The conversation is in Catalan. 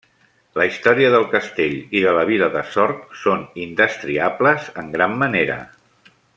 La història del castell i de la vila de Sort són indestriables en gran manera.